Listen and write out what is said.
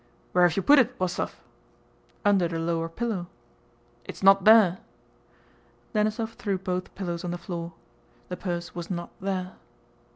"Where have you put it, Wostóv?" "Under the lower pillow." "It's not there." Denísov threw both pillows on the floor. The purse was not there.